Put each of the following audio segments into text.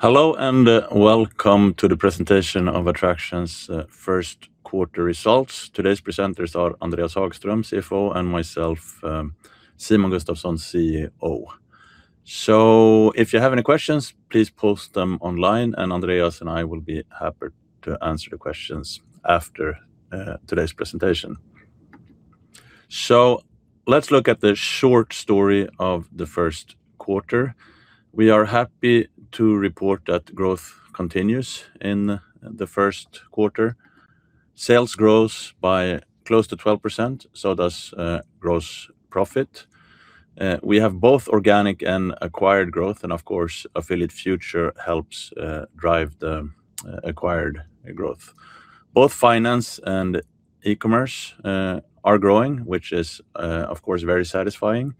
Hello, and welcome to the presentation of Adtraction's First Quarter Results. Today's presenters are Andreas Hagström, CFO, and myself, Simon Gustafson, CEO. If you have any questions, please post them online, and Andreas and I will be happy to answer the questions after today's presentation. Let's look at the short story of the first quarter. We are happy to report that growth continues in the first quarter. Sales grows by close to 12%, so does gross profit. We have both organic and acquired growth, and of course, Affiliate Future helps drive the acquired growth. Both finance and e-commerce are growing, which is, of course, very satisfying.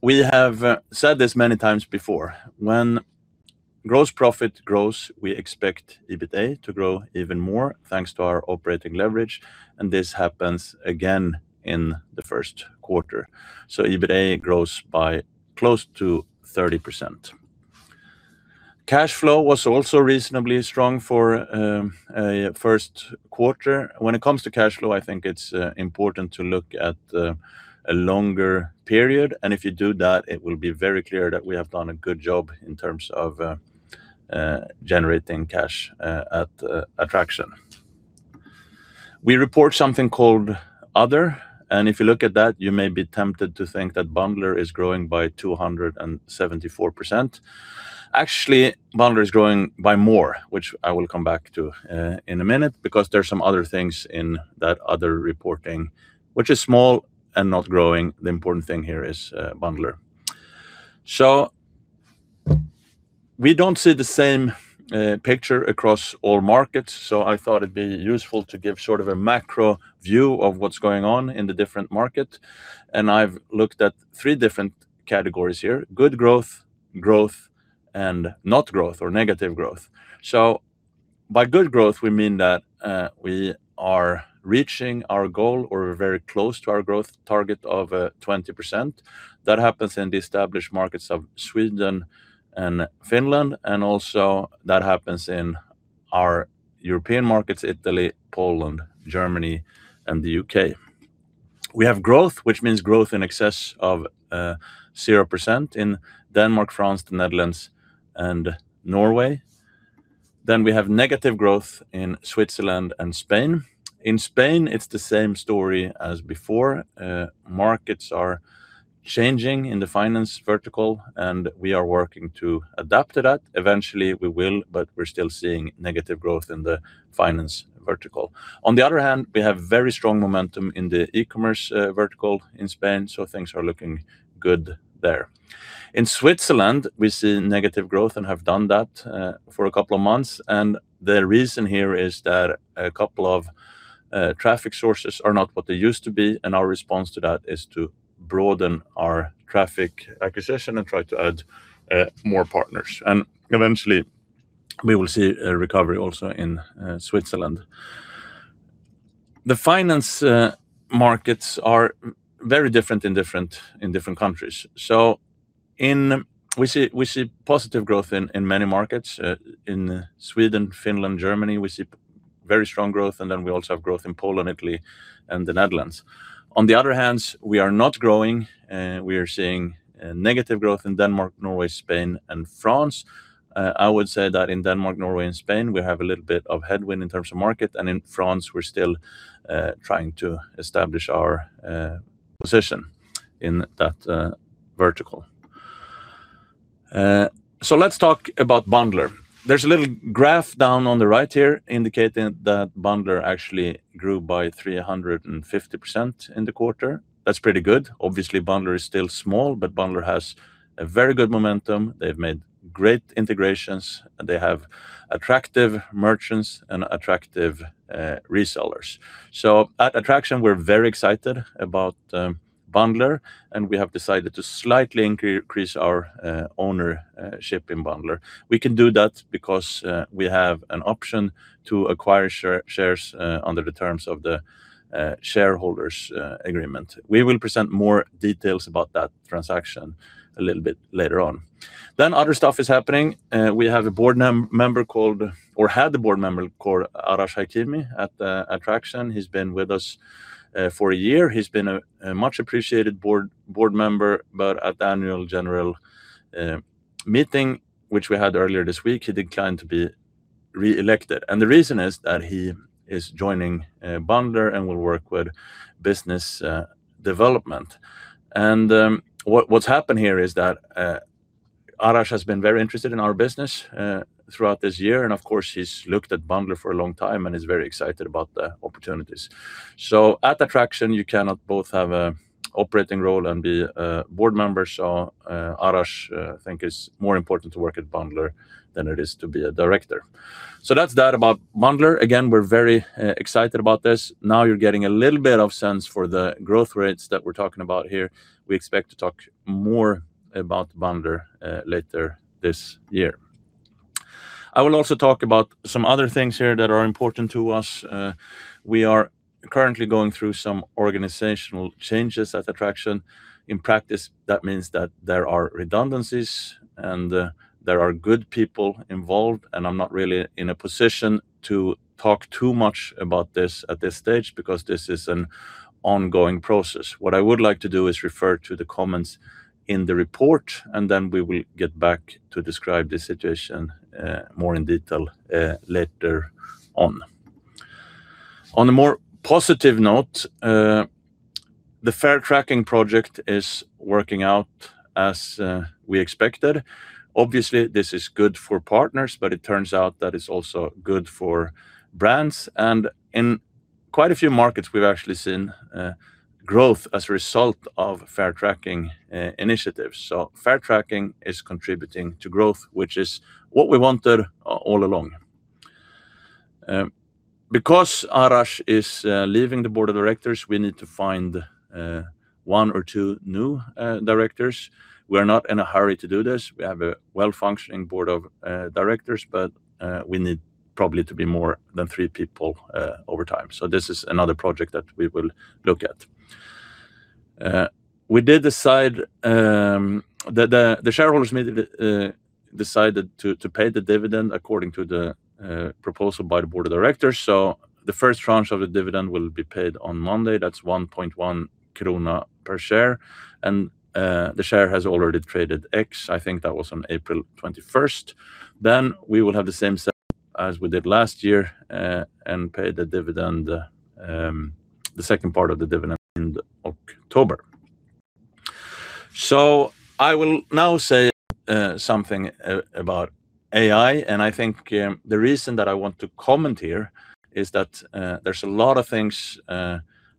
We have said this many times before, when gross profit grows, we expect EBITDA to grow even more thanks to our operating leverage, and this happens again in the first quarter. EBITDA grows by close to 30%. Cash flow was also reasonably strong for a first quarter. When it comes to cash flow, I think it's important to look at a longer period, and if you do that, it will be very clear that we have done a good job in terms of generating cash at Adtraction. We report something called other, and if you look at that, you may be tempted to think that Bundler is growing by 274%. Actually, Bundler is growing by more, which I will come back to in a minute because there's some other things in that other reporting, which is small and not growing. The important thing here is Bundler. We don't see the same picture across all markets, so I thought it'd be useful to give sort of a macro view of what's going on in the different market, and I've looked at three different categories here, good growth, and not growth or negative growth. By good growth, we mean that we are reaching our goal or very close to our growth target of 20%. That happens in the established markets of Sweden and Finland, and also that happens in our European markets, Italy, Poland, Germany, and the U.K. We have growth, which means growth in excess of 0% in Denmark, France, the Netherlands, and Norway. Then we have negative growth in Switzerland and Spain. In Spain, it's the same story as before. Markets are changing in the finance vertical, and we are working to adapt to that. Eventually, we will, but we're still seeing negative growth in the finance vertical. On the other hand, we have very strong momentum in the e-commerce vertical in Spain, so things are looking good there. In Switzerland, we see negative growth and have done that for a couple of months, and the reason here is that a couple of traffic sources are not what they used to be, and our response to that is to broaden our traffic acquisition and try to add more partners. Eventually, we will see a recovery also in Switzerland. The finance markets are very different in different countries. We see positive growth in many markets. In Sweden, Finland, Germany, we see very strong growth, and then we also have growth in Poland, Italy, and the Netherlands. On the other hand, we are not growing. We are seeing negative growth in Denmark, Norway, Spain, and France. I would say that in Denmark, Norway, and Spain, we have a little bit of headwind in terms of market, and in France, we're still trying to establish our position in that vertical. Let's talk about Bundler. There's a little graph down on the right here indicating that Bundler actually grew by 350% in the quarter. That's pretty good. Obviously, Bundler is still small, but Bundler has a very good momentum. They've made great integrations, and they have attractive merchants and attractive resellers. At Adtraction, we're very excited about Bundler, and we have decided to slightly increase our ownership in Bundler. We can do that because we have an option to acquire shares under the terms of the shareholders agreement. We will present more details about that transaction a little bit later on. Other stuff is happening. We have a board member called, or had a board member called Arash Hakimi at Adtraction. He's been with us for a year. He's been a much appreciated board member, but at the Annual General Meeting, which we had earlier this week, he declined to be reelected. The reason is that he is joining Bundler and will work with business development. What's happened here is that Arash has been very interested in our business throughout this year, and of course, he's looked at Bundler for a long time and is very excited about the opportunities. At Adtraction, you cannot both have an operating role and be a board member. Arash think it's more important to work at Bundler than it is to be a director. That's that about Bundler. Again, we're very excited about this. Now you're getting a little bit of sense for the growth rates that we're talking about here. We expect to talk more about Bundler later this year. I will also talk about some other things here that are important to us. We are currently going through some organizational changes at Adtraction. In practice, that means that there are redundancies, and there are good people involved, and I'm not really in a position to talk too much about this at this stage because this is an ongoing process. What I would like to do is refer to the comments in the report, and then we will get back to describe the situation more in detail later on. On a more positive note, the Fair Tracking project is working out as we expected. Obviously, this is good for partners, but it turns out that it's also good for brands. In quite a few markets, we've actually seen growth as a result of Fair Tracking initiatives. Fair Tracking is contributing to growth, which is what we wanted all along. Because Arash is leaving the board of directors, we need to find one or two new directors. We're not in a hurry to do this. We have a well-functioning board of directors, but we need probably to be more than three people over time. This is another project that we will look at. The shareholders decided to pay the dividend according to the proposal by the board of directors. The first tranche of the dividend will be paid on Monday. That's 1.1 krona per share, and the share has already traded ex, I think that was on April 21st. We will have the same set as we did last year, and pay the second part of the dividend in October. I will now say something about AI, and I think the reason that I want to comment here is that there's a lot of things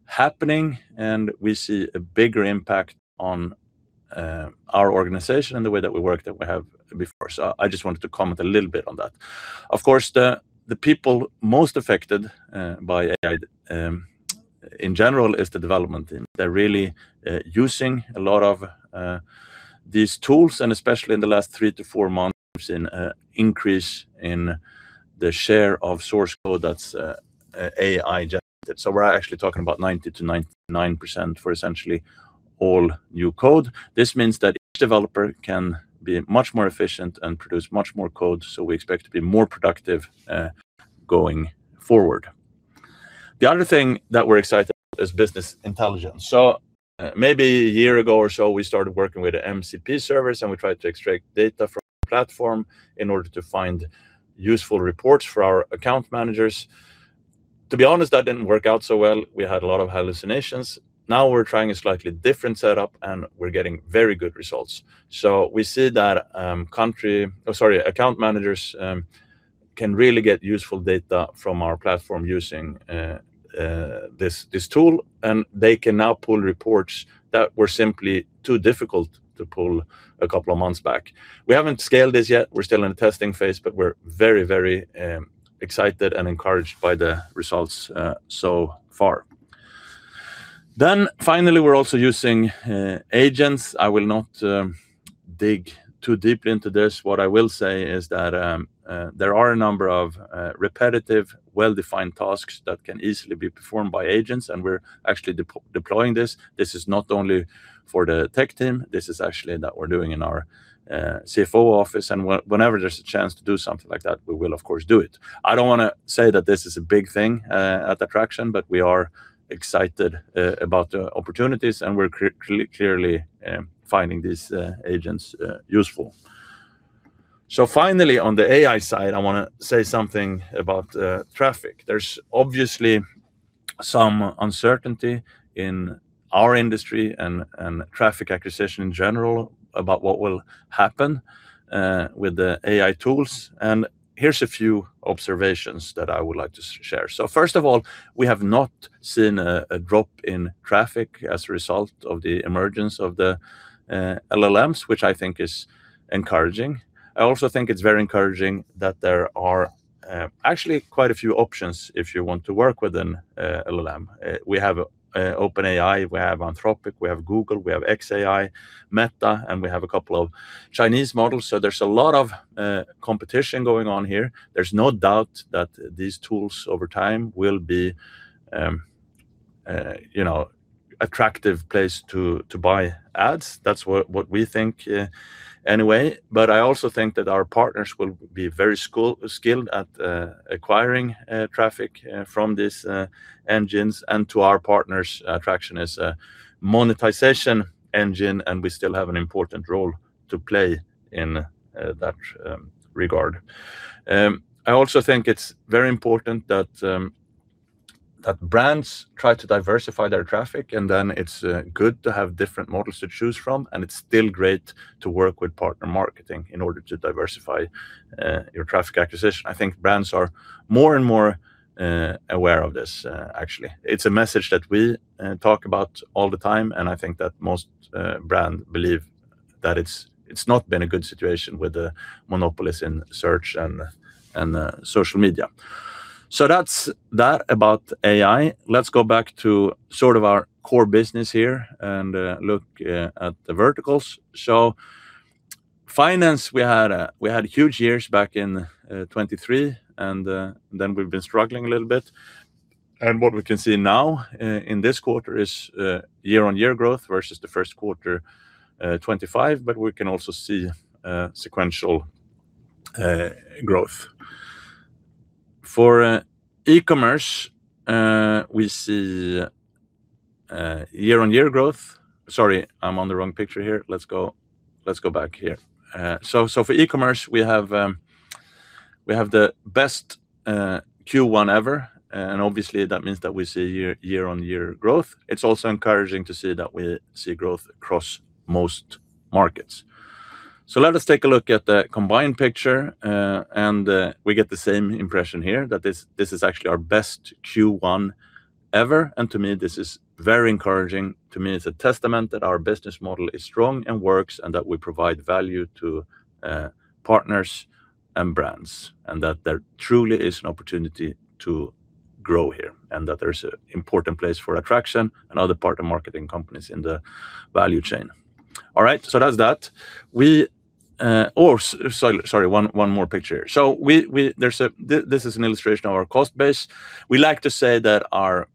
happening, and we see a bigger impact on our organization and the way that we work than we have before. I just wanted to comment a little bit on that. Of course, the people most affected by AI, in general, is the development team. They're really using a lot of these tools, and especially in the last 3-4 months, an increase in the share of source code that's AI-generated. We're actually talking about 90%-99% for essentially all new code. This means that each developer can be much more efficient and produce much more code, so we expect to be more productive going forward. The other thing that we're excited about is business intelligence. Maybe a year ago or so, we started working with a MCP service, and we tried to extract data from the platform in order to find useful reports for our account managers. To be honest, that didn't work out so well. We had a lot of hallucinations. Now we're trying a slightly different setup, and we're getting very good results. We see that account managers can really get useful data from our platform using this tool, and they can now pull reports that were simply too difficult to pull a couple of months back. We haven't scaled this yet. We're still in the testing phase, but we're very excited and encouraged by the results so far. Finally, we're also using agents. I will not dig too deep into this. What I will say is that there are a number of repetitive, well-defined tasks that can easily be performed by agents, and we're actually deploying this. This is not only for the tech team. This is actually that we're doing in our CFO office, and whenever there's a chance to do something like that, we will of course, do it. I don't want to say that this is a big thing at Adtraction, but we are excited about the opportunities, and we're clearly finding these agents useful. Finally, on the AI side, I want to say something about traffic. There's obviously some uncertainty in our industry and traffic acquisition in general about what will happen with the AI tools. Here's a few observations that I would like to share. First of all, we have not seen a drop in traffic as a result of the emergence of the LLMs, which I think is encouraging. I also think it's very encouraging that there are actually quite a few options if you want to work with an LLM. We have OpenAI, we have Anthropic, we have Google, we have xAI, Meta, and we have a couple of Chinese models. There's a lot of competition going on here. There's no doubt that these tools over time will be an attractive place to buy ads. That's what we think anyway. I also think that our partners will be very skilled at acquiring traffic from these engines and to our partners. Adtraction is a monetization engine, and we still have an important role to play in that regard. I also think it's very important that brands try to diversify their traffic, and then it's good to have different models to choose from, and it's still great to work with partner marketing in order to diversify your traffic acquisition. I think brands are more and more aware of this, actually. It's a message that we talk about all the time, and I think that most brands believe that it's not been a good situation with the monopolies in search and social media. That's that about AI. Let's go back to sort of our core business here and look at the verticals. Finance, we had huge years back in 2023, and then we've been struggling a little bit. What we can see now in this quarter is year-on-year growth versus the first quarter 2025, but we can also see sequential growth. For e-commerce, we see year-on-year growth. Sorry, I'm on the wrong picture here. Let's go back here. For e-commerce, we have the best Q1 ever, and obviously, that means that we see year-on-year growth. It's also encouraging to see that we see growth across most markets. Let us take a look at the combined picture, and we get the same impression here, that this is actually our best Q1 ever. To me, this is very encouraging. To me, it's a testament that our business model is strong and works, and that we provide value to partners and brands, and that there truly is an opportunity to grow here, and that there's an important place for Adtraction and other partner marketing companies in the value chain. All right, that's that. Sorry, one more picture. This is an illustration of our cost base. We like to say that our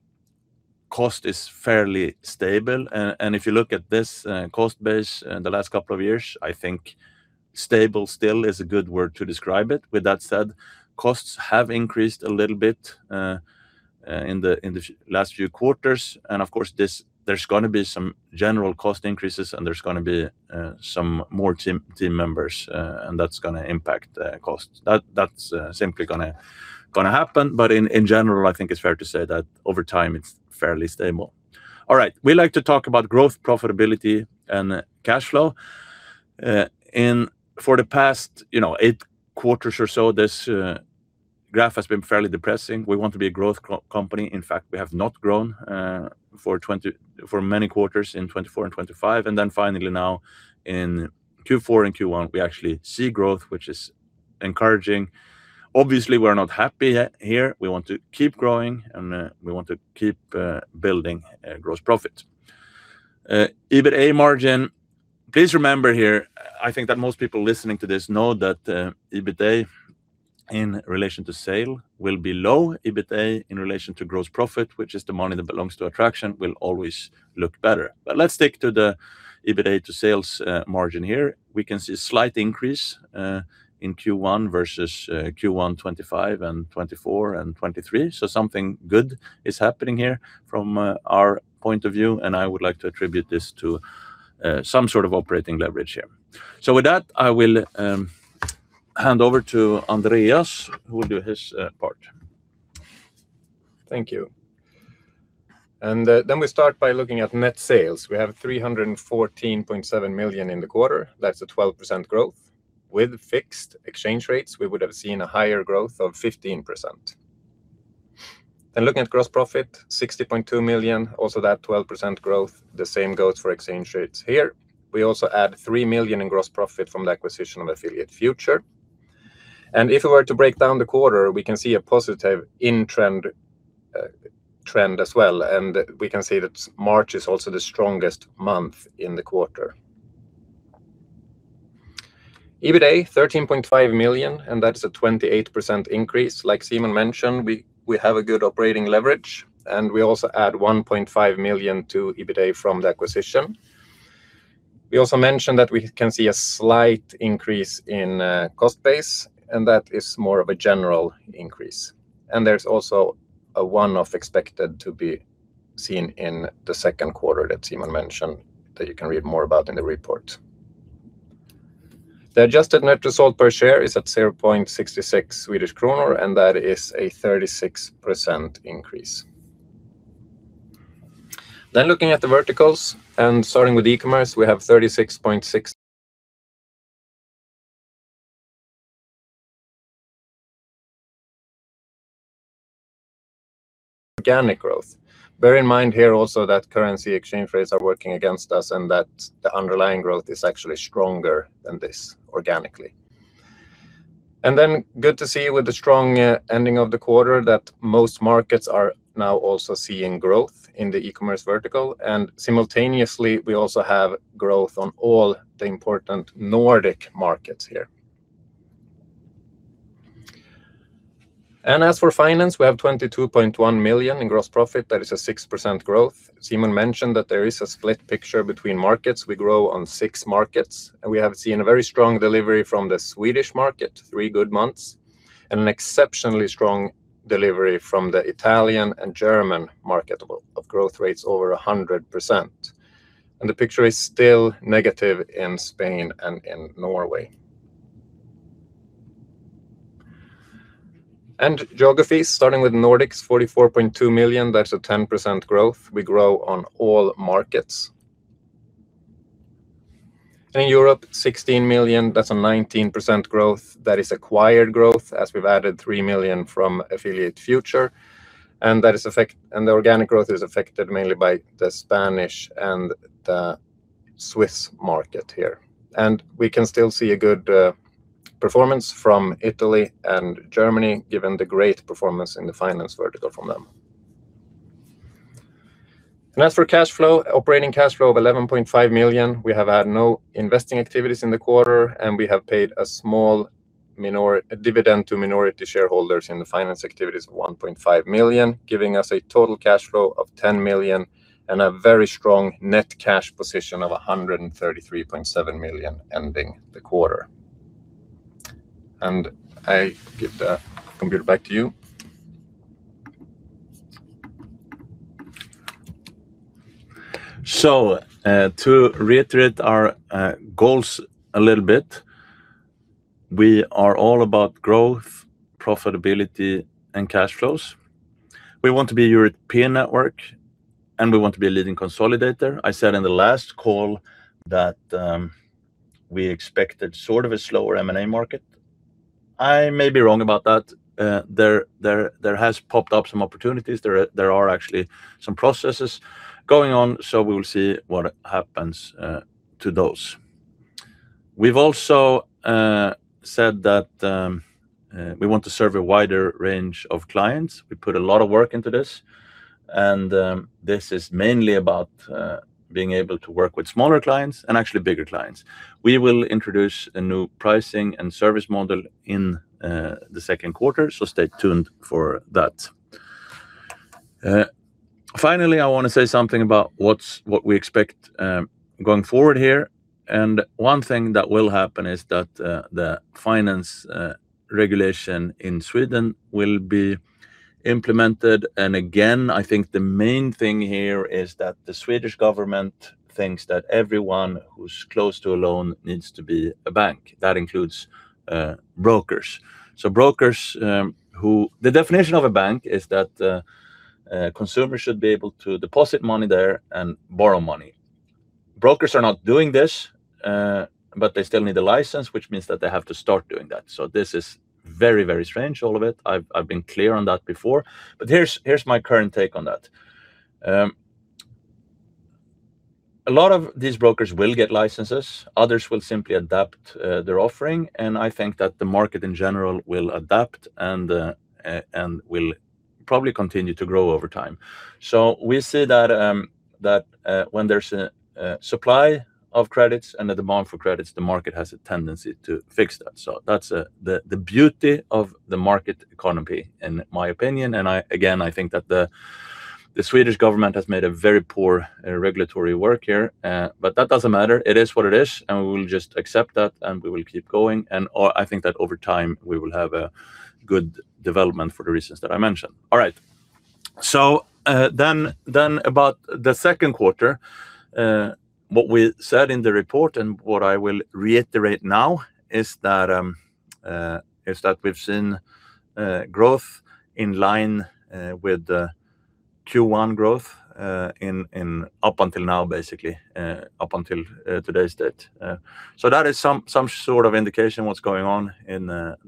cost is fairly stable. If you look at this cost base in the last couple of years, I think stable still is a good word to describe it. With that said, costs have increased a little bit in the last few quarters, and of course there's going to be some general cost increases, and there's going to be some more team members, and that's going to impact costs. That's simply going to happen, but in general, I think it's fair to say that over time it's fairly stable. All right. We like to talk about growth, profitability, and cash flow. For the past eight quarters or so, this graph has been fairly depressing. We want to be a growth company. In fact, we have not grown for many quarters in 2024 and 2025. Finally now in Q4 and Q1, we actually see growth, which is encouraging. Obviously, we're not happy here. We want to keep growing, and we want to keep building gross profit. EBITDA margin, please remember here, I think that most people listening to this know that EBITDA in relation to sales will be low. EBITDA in relation to gross profit, which is the money that belongs to Adtraction, will always look better. But let's stick to the EBITDA to sales margin here. We can see a slight increase in Q1 versus Q1 2025 and 2024 and 2023. Something good is happening here from our point of view, and I would like to attribute this to some sort of operating leverage here. With that, I will hand over to Andreas, who will do his part. Thank you. We start by looking at net sales. We have 314.7 million in the quarter. That's a 12% growth. With fixed exchange rates, we would have seen a higher growth of 15%. Looking at gross profit, 60.2 million, also that 12% growth. The same goes for exchange rates here. We also add 3 million in gross profit from the acquisition of Affiliate Future. If we were to break down the quarter, we can see a positive trend as well, and we can see that March is also the strongest month in the quarter. EBITDA, 13.5 million, and that is a 28% increase. Like Simon mentioned, we have a good operating leverage, and we also add 1.5 million to EBITDA from the acquisition. We also mentioned that we can see a slight increase in cost base, and that is more of a general increase. There's also a one-off expected to be seen in the second quarter that Simon mentioned, that you can read more about in the report. The adjusted net result per share is at 0.66 Swedish kronor, and that is a 36% increase. Looking at the verticals and starting with e-commerce, we have 36.6% organic growth. Bear in mind here also that currency exchange rates are working against us and that the underlying growth is actually stronger than this organically. Good to see with the strong ending of the quarter that most markets are now also seeing growth in the e-commerce vertical, and simultaneously, we also have growth on all the important Nordic markets here. As for finance, we have 22.1 million in gross profit. That is a 6% growth. Simon mentioned that there is a split picture between markets. We grow on six markets, and we have seen a very strong delivery from the Swedish market, three good months, and an exceptionally strong delivery from the Italian and German market of growth rates over 100%. The picture is still negative in Spain and in Norway. Geographies, starting with Nordics, 44.2 million, that's a 10% growth. We grow on all markets. In Europe, 16 million, that's a 19% growth. That is acquired growth as we've added 3 million from Affiliate Future, and the organic growth is affected mainly by the Spanish and the- -Swiss market here. We can still see a good performance from Italy and Germany, given the great performance in the finance vertical from them. As for operating cash flow of 11.5 million, we have had no investing activities in the quarter, and we have paid a small dividend to minority shareholders in the finance activities of 1.5 million, giving us a total cash flow of 10 million and a very strong net cash position of 133.7 million ending the quarter. I give the computer back to you. To reiterate our goals a little bit, we are all about growth, profitability, and cash flows. We want to be a European network, and we want to be a leading consolidator. I said in the last call that we expected sort of a slower M&A market. I may be wrong about that. There has popped up some opportunities. There are actually some processes going on, so we will see what happens to those. We've also said that we want to serve a wider range of clients. We put a lot of work into this, and this is mainly about being able to work with smaller clients and actually bigger clients. We will introduce a new pricing and service model in the second quarter, so stay tuned for that. Finally, I want to say something about what we expect going forward here. One thing that will happen is that the financial regulation in Sweden will be implemented, and again, I think the main thing here is that the Swedish government thinks that everyone who's close to a loan needs to be a bank. That includes brokers. The definition of a bank is that consumers should be able to deposit money there and borrow money. Brokers are not doing this, but they still need the license, which means that they have to start doing that. This is very, very strange, all of it. I've been clear on that before, but here's my current take on that. A lot of these brokers will get licenses. Others will simply adapt their offering, and I think that the market in general will adapt and will probably continue to grow over time. We see that when there's a supply of credits and a demand for credits, the market has a tendency to fix that. That's the beauty of the market economy, in my opinion, and again, I think that the Swedish government has made a very poor regulatory work here. That doesn't matter. It is what it is, and we will just accept that, and we will keep going, and I think that over time, we will have a good development for the reasons that I mentioned. All right. Then about the second quarter. What we said in the report and what I will reiterate now is that we've seen growth in line with the Q1 growth up until now, basically, up until today's date. That is some sort of indication of what's going on in the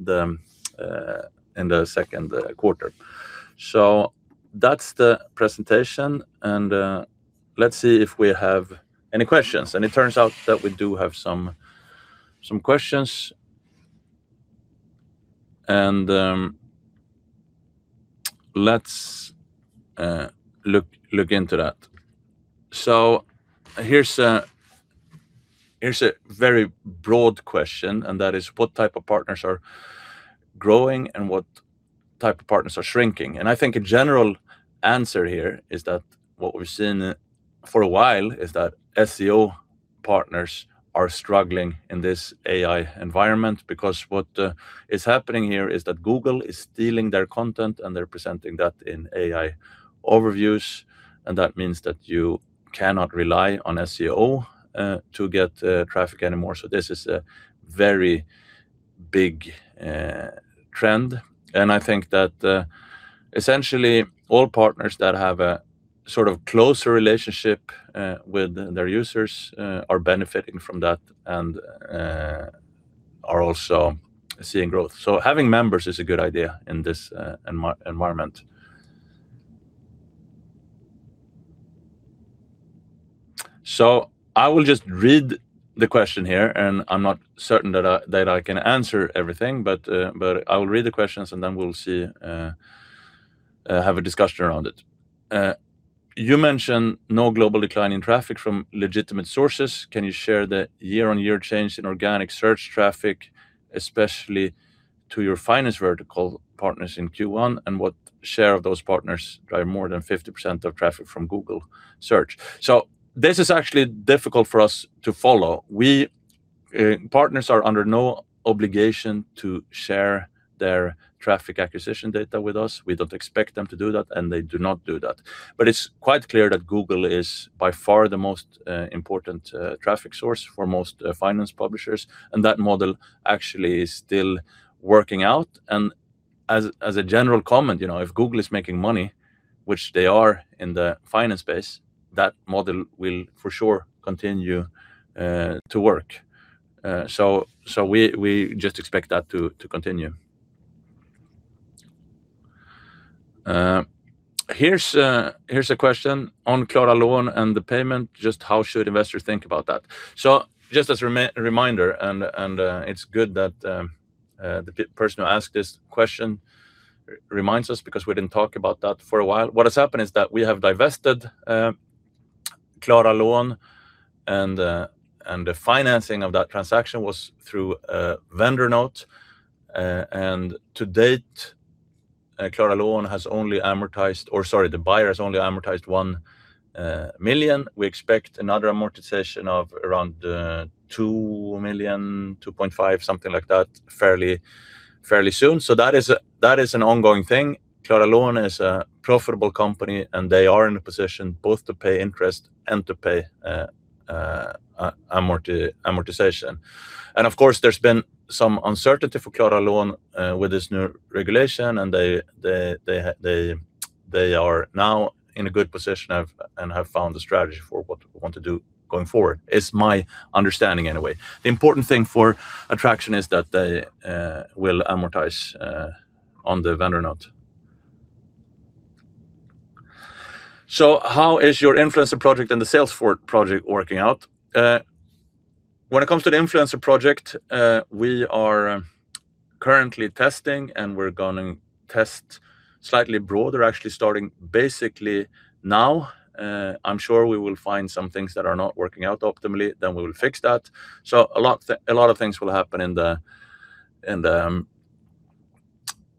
second quarter. That's the presentation, and let's see if we have any questions, and it turns out that we do have some questions, and let's look into that. Here's a very broad question, and that is what type of partners are growing, and what type of partners are shrinking? I think a general answer here is that what we've seen for a while is that SEO partners are struggling in this AI environment because what is happening here is that Google is stealing their content, and they're presenting that in AI Overviews, and that means that you cannot rely on SEO to get traffic anymore. This is a very big trend, and I think that essentially all partners that have a sort of closer relationship with their users are benefiting from that and are also seeing growth. Having members is a good idea in this environment. I will just read the question here, and I'm not certain that I can answer everything, but I will read the questions and then we'll have a discussion around it. You mentioned no global decline in traffic from legitimate sources. Can you share the year-on-year change in organic search traffic, especially to your finance vertical partners in Q1, and what share of those partners drive more than 50% of traffic from Google search? This is actually difficult for us to follow. Partners are under no obligation to share their traffic acquisition data with us. We don't expect them to do that, and they do not do that. It's quite clear that Google is by far the most important traffic source for most finance publishers, and that model actually is still working out. As a general comment, if Google is making money, which they are in the finance space, that model will for sure continue to work. We just expect that to continue. Here's a question on Klara Lån and the payment, just how should investors think about that? Just as a reminder, and it's good that the person who asked this question reminds us because we didn't talk about that for a while. What has happened is that we have divested Klara Lån and the financing of that transaction was through a vendor note. To date, the buyer has only amortized 1 million. We expect another amortization of around 2 million-2.5 million, something like that, fairly soon. That is an ongoing thing. Klara Lån is a profitable company, and they are in a position both to pay interest and to pay amortization. Of course, there's been some uncertainty for Klara Lån with this new regulation, and they are now in a good position and have found a strategy for what we want to do going forward, is my understanding anyway. The important thing for Adtraction is that they will amortize on the vendor note. How is your influencer project and the Salesforce project working out? When it comes to the influencer project, we are currently testing, and we're going to test slightly broader, actually starting basically now. I'm sure we will find some things that are not working out optimally, then we will fix that. A lot of things will happen in the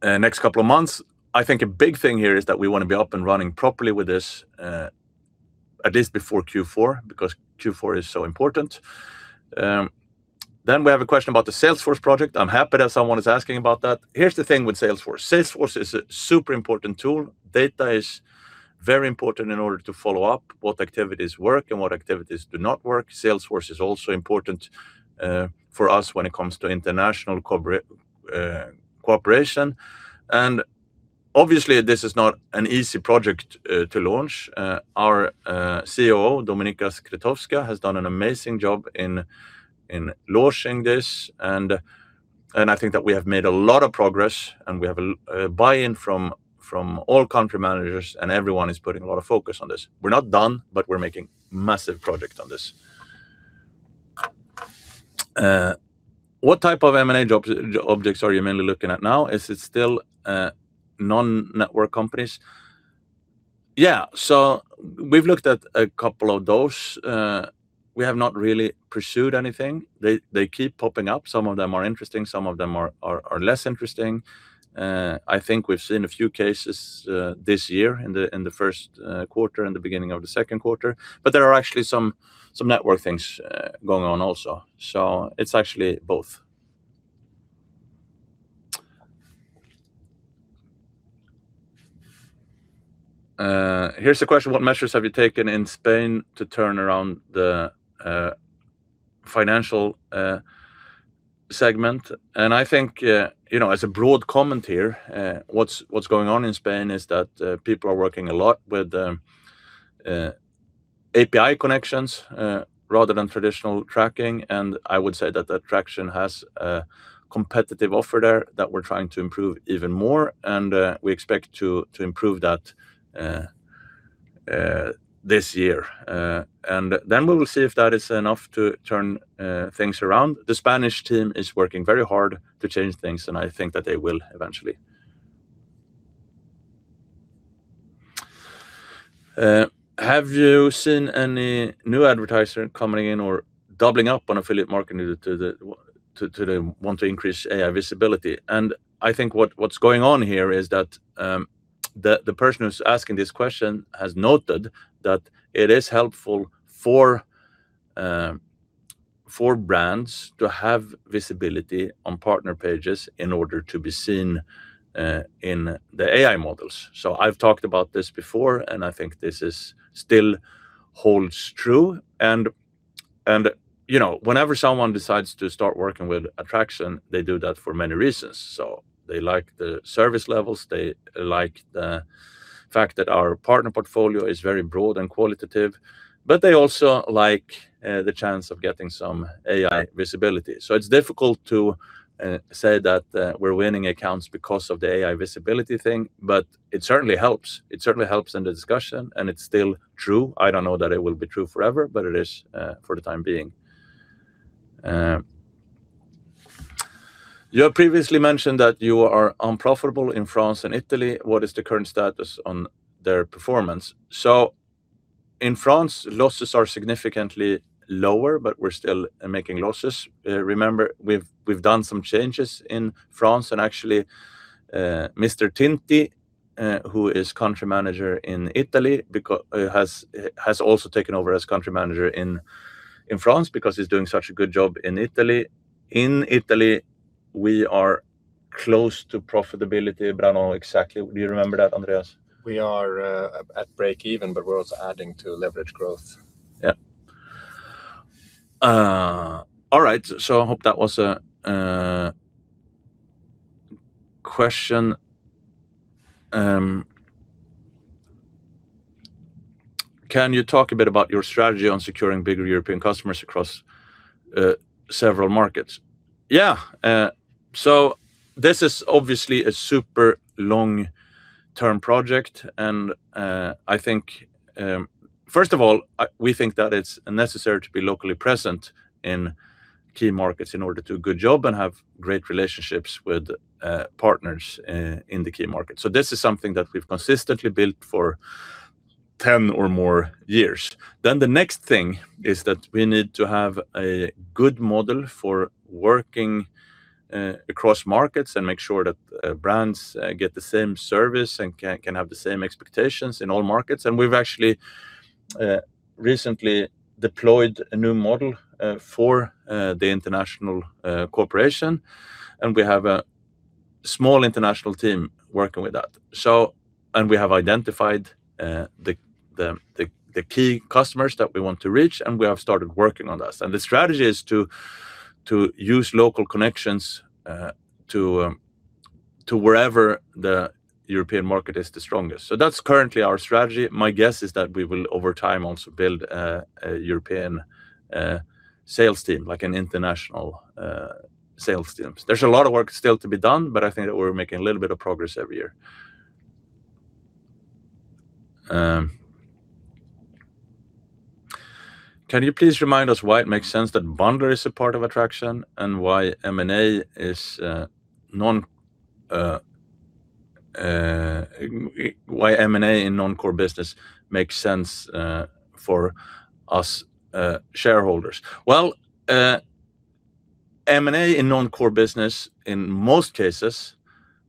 next couple of months. I think a big thing here is that we want to be up and running properly with this at least before Q4, because Q4 is so important. We have a question about the Salesforce project. I'm happy that someone is asking about that. Here's the thing with Salesforce. Salesforce is a super important tool. Data is very important in order to follow up what activities work and what activities do not work. Salesforce is also important for us when it comes to international cooperation. Obviously, this is not an easy project to launch. Our COO, Dominika Skretowska, has done an amazing job in launching this, and I think that we have made a lot of progress, and we have a buy-in from all country managers, and everyone is putting a lot of focus on this. We're not done, but we're making massive progress on this. What type of M&A objects are you mainly looking at now? Is it still non-network companies? Yeah. We've looked at a couple of those. We have not really pursued anything. They keep popping up. Some of them are interesting, some of them are less interesting. I think we've seen a few cases this year in the first quarter and the beginning of the second quarter. There are actually some network things going on also. It's actually both. Here's a question: What measures have you taken in Spain to turn around the financial segment? I think as a broad comment here, what's going on in Spain is that people are working a lot with API connections rather than traditional tracking. I would say that Adtraction has a competitive offer there that we're trying to improve even more, and we expect to improve that this year. We will see if that is enough to turn things around. The Spanish team is working very hard to change things, and I think that they will eventually. Have you seen any new advertiser coming in or doubling up on affiliate marketing to want to increase AI visibility? I think what's going on here is that the person who's asking this question has noted that it is helpful for brands to have visibility on partner pages in order to be seen in the AI models. I've talked about this before, and I think this still holds true. Whenever someone decides to start working with Adtraction, they do that for many reasons. They like the service levels, they like the fact that our partner portfolio is very broad and qualitative, but they also like the chance of getting some AI visibility. It's difficult to say that we're winning accounts because of the AI visibility thing, but it certainly helps. It certainly helps in the discussion, and it's still true. I don't know that it will be true forever, but it is for the time being. You have previously mentioned that you are unprofitable in France and Italy. What is the current status on their performance? In France, losses are significantly lower, but we're still making losses. Remember, we've done some changes in France and actually, Julien Tinti who is Country Manager in Italy, has also taken over as Country Manager in France because he's doing such a good job in Italy. In Italy, we are close to profitability, but I don't know exactly. Do you remember that, Andreas? We are at breakeven, but we're also adding to leverage growth. Yeah. All right. I hope that was a question. Can you talk a bit about your strategy on securing bigger European customers across several markets? Yeah. This is obviously a super long-term project, and first of all, we think that it's necessary to be locally present in key markets in order to do a good job and have great relationships with partners in the key markets. This is something that we've consistently built for 10 or more years. The next thing is that we need to have a good model for working across markets and make sure that brands get the same service and can have the same expectations in all markets. We've actually recently deployed a new model for the international corporation, and we have a small international team working with that. We have identified the key customers that we want to reach, and we have started working on that. The strategy is to use local connections to wherever the European market is the strongest. That's currently our strategy. My guess is that we will, over time, also build a European sales team, like an international sales team. There's a lot of work still to be done, but I think that we're making a little bit of progress every year. "Can you please remind us why it makes sense that Bundler is a part of Adtraction and why M&A in non-core business makes sense for us shareholders?" Well, M&A in non-core business in most cases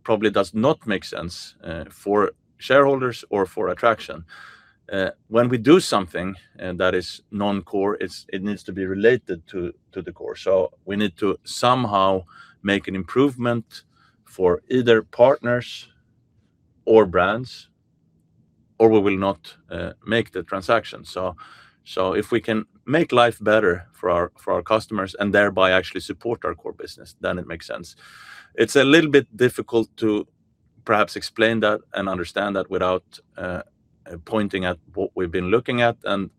probably does not make sense for shareholders or for Adtraction. When we do something that is non-core, it needs to be related to the core. We need to somehow make an improvement for either partners or brands, or we will not make the transaction. If we can make life better for our customers and thereby actually support our core business, then it makes sense. It's a little bit difficult to perhaps explain that and understand that without pointing at what we've been looking at, and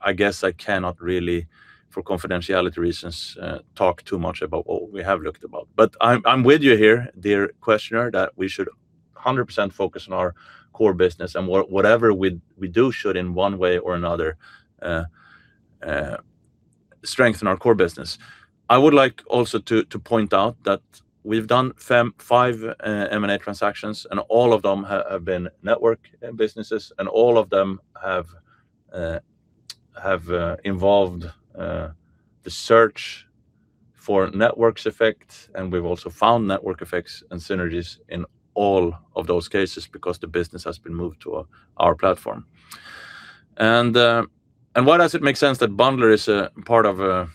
I guess I cannot really, for confidentiality reasons, talk too much about what we have looked at. I'm with you here, dear questioner, that we should 100% focus on our core business and whatever we do should, in one way or another, strengthen our core business. I would like also to point out that we've done five M&A transactions, and all of them have been network businesses and all of them have involved the search for network effects, and we've also found network effects and synergies in all of those cases because the business has been moved to our platform. Why does it make sense that Bundler is a part of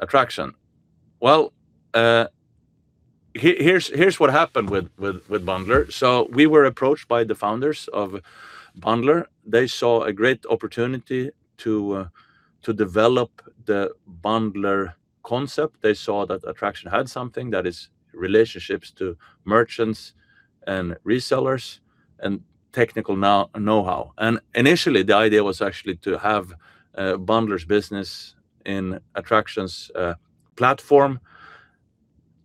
Adtraction? Well, here's what happened with Bundler. We were approached by the founders of Bundler. They saw a great opportunity to develop the Bundler concept. They saw that Adtraction had something that is relationships to merchants and resellers and technical knowhow. Initially, the idea was actually to have Bundler's business in Adtraction's platform.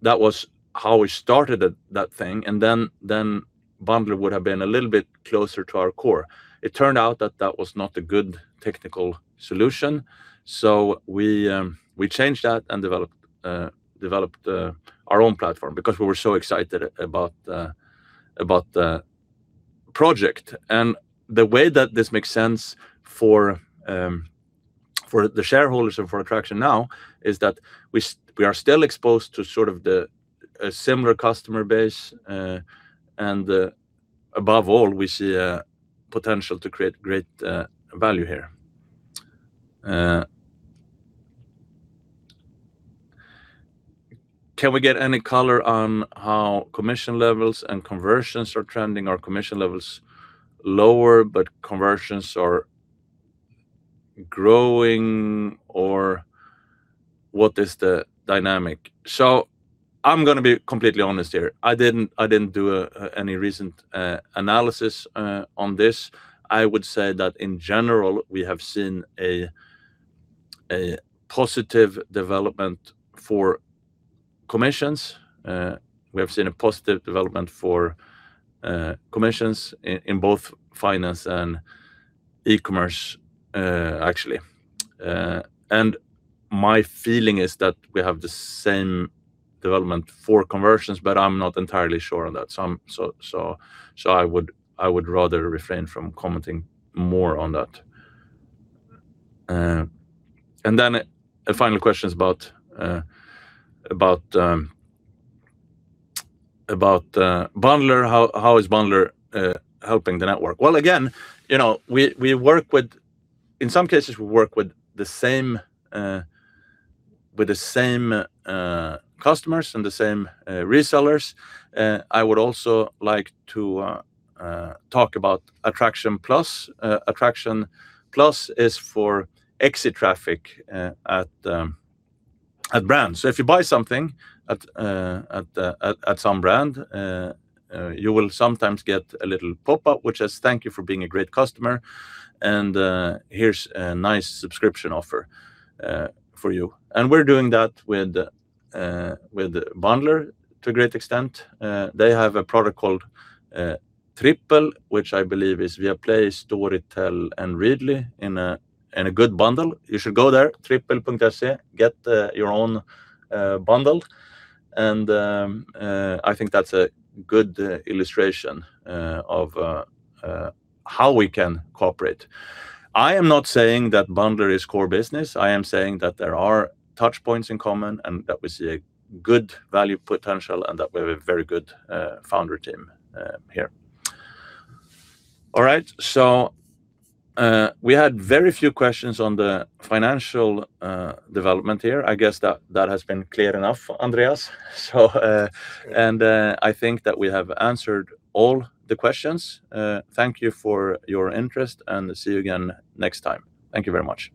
That was how we started that thing, and then Bundler would have been a little bit closer to our core. It turned out that was not a good technical solution, so we changed that and developed our own platform because we were so excited about the project. The way that this makes sense for the shareholders and for Adtraction now is that we are still exposed to sort of a similar customer base. Above all, we see a potential to create great value here. "Can we get any color on how commission levels and conversions are trending? Are commission levels lower but conversions are growing, or what is the dynamic?" I'm going to be completely honest here. I didn't do any recent analysis on this. I would say that in general, we have seen a positive development for commissions. We have seen a positive development for commissions in both finance and e-commerce, actually. My feeling is that we have the same development for conversions, but I'm not entirely sure on that. I would rather refrain from commenting more on that. A final question is about Bundler. How is Bundler helping the network? Well, again, in some cases, we work with the same customers and the same resellers. I would also like to talk about Adtraction Plus. Adtraction Plus is for exit traffic at brands. If you buy something at some brand, you will sometimes get a little pop-up which says, "Thank you for being a great customer, and here's a nice subscription offer for you." We're doing that with Bundler to a great extent. They have a product called Trippel, which I believe is Viaplay, Storytel, and Readly in a good bundle. You should go there, trippel.se, get your own bundle, and I think that's a good illustration of how we can cooperate. I am not saying that Bundler is core business. I am saying that there are touchpoints in common, and that we see a good value potential, and that we have a very good founder team here. All right. We had very few questions on the financial development here. I guess that has been clear enough, Andreas. I think that we have answered all the questions. Thank you for your interest and see you again next time. Thank you very much.